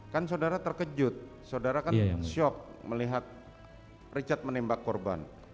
kan saudara terkejut saudara kan shock melihat richard menembak korban